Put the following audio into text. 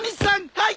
はい！